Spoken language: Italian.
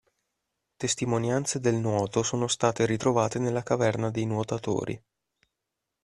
Testimonianze del nuoto sono state ritrovate nella caverna dei Nuotatori.